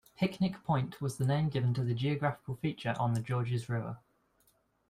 Picnic Point was the name given to the geographical feature on the Georges River.